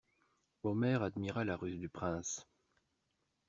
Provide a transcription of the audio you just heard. Omer admira la ruse du prince.